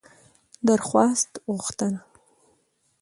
درخواست √غوښتنه